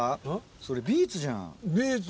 それビーツじゃん。